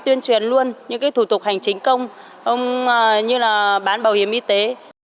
tuyên truyền luôn những thủ tục hành chính công như là bán bảo hiểm y tế